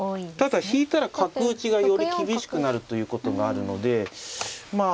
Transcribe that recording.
ただ引いたら角打ちがより厳しくなるということがあるのでまあ